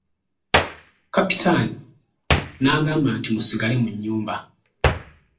Kapitaani n'agamba nti musigale mu nnyumba.